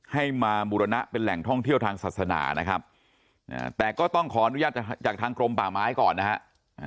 ให้มาบุรณะเป็นแหล่งท่องเที่ยวทางศาสนานะครับแต่ก็ต้องขออนุญาตจากทางกรมป่าไม้ก่อนนะฮะ